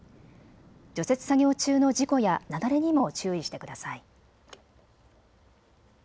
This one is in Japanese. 除雪作業中の事故や雪崩にも注意してください。